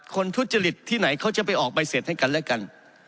ทุจริตที่ไหนเขาจะไปออกใบเสร็จให้กันและกัน